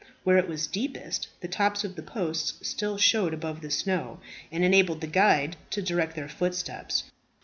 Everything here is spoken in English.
Where it was deepest, the tops of the posts still showed above the snow, and enabled the guide to direct their footsteps.